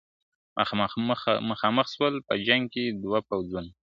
مخامخ سوله په جنګ کي دوه پوځونه `